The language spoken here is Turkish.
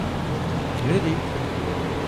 Neredeyiz?